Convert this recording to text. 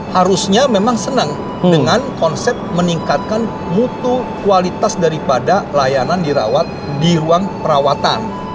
harusnya memang senang dengan konsep meningkatkan mutu kualitas daripada layanan dirawat di ruang perawatan